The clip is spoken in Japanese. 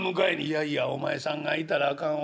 「いやいやお前さんが行ったらあかん。